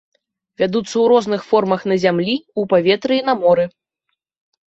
Вядуцца ў розных формах на зямлі, у паветры і на моры.